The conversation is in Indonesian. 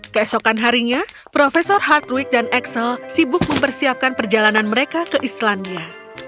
kesokan harinya profesor hartwig dan axel sibuk mempersiapkan perjalanan mereka ke islandia